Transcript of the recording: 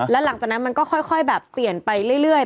แล้วหลังจากนั้นมันก็ค่อยแบบเปลี่ยนไปเรื่อย